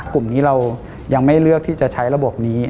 กลุ่มนี้เรายังไม่เลือกที่จะใช้ระบบนี้